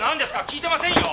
聞いてませんよ。